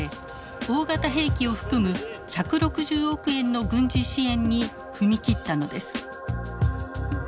大型兵器を含む１６０億円の軍事支援に踏み切ったのです。